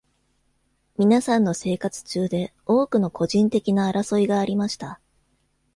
みなさんの生活中で多くの個人的な争いがありました。